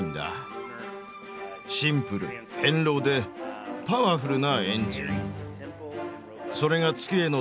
シンプル堅牢でパワフルなエンジン。